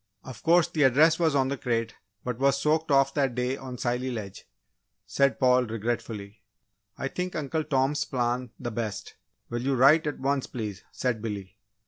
"Of course, the address was on the crate but was soaked off that day on Scilly Ledge," said Paul, regretfully. "I think Uncle Tom's plan the best will you write at once, please?" said Billy.